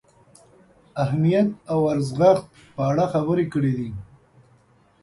اهمیت او ارزښت په اړه خبرې کړې دي.